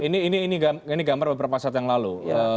ini ini ini ini gambar beberapa saat yang lalu